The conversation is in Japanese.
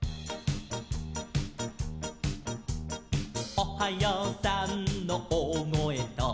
「おはようさんのおおごえと」